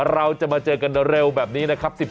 เราจะมาเจอกันเร็วแบบนี้นะครับ